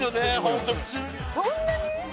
そんなに！？